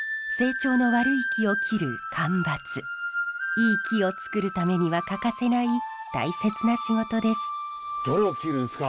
いい木をつくるためには欠かせない大切な仕事です。